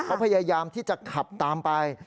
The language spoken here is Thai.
เขาพยายามที่จะขับตามไป